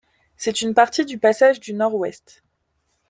C'est une partie du Passage du Nord-Ouest.